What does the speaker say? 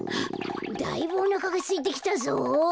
だいぶおなかがすいてきたぞ。